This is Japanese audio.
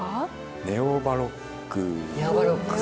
ネオバロック。